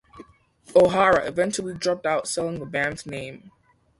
O'Hara eventually dropped out selling the band's name.